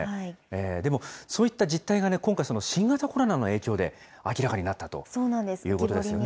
でもそういった実態が今回、新型コロナの影響で明らかになったということですよね。